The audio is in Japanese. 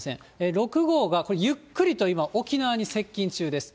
６号がこれ、ゆっくりと今、沖縄に接近中です。